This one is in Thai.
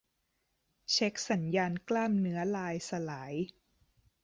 เช็กสัญญาณกล้ามเนื้อลายสลาย